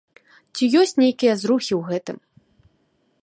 Ці ёсць нейкія зрухі ў гэтым?